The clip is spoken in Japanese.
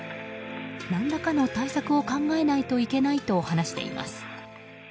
何らかの対策を考えないといけないと話しています。